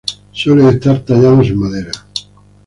Suelen estar tallados en madera.